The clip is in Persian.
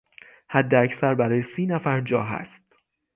حداکثر برای سینفر جا هست.